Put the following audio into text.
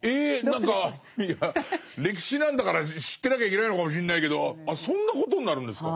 何かいや歴史なんだから知ってなきゃいけないのかもしんないけどあそんなことになるんですか。